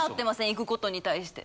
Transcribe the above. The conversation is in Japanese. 行くことに対して。